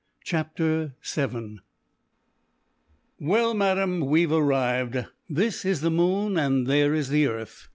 CHAPTER VII "Well, Madame, we've arrived. This is the moon and there is the earth.